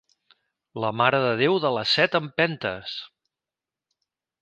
La Mare de Déu de les set empentes!